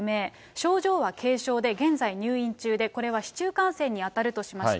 症状は軽症で現在、入院中で、これは市中感染に当たるとしました。